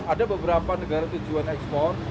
ada beberapa negara tujuan ekspor